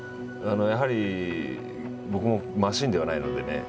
やはり僕もマシンではないのでね